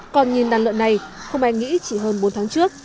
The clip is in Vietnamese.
còn nhìn đàn lợn này không ai nghĩ chỉ hơn bốn tháng trước